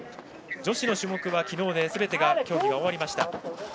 女子の種目は昨日ですべての競技が終わりました。